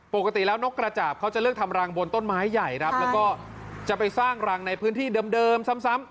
ปกติแล้วนกกระจาบเขาจะเลือกทำรังบนต้นไม้ใหญ่ครับแล้วก็จะไปสร้างรังในพื้นที่เดิมซ้ำ